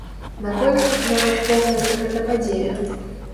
Наколькі, на ваш погляд, гэта падзея?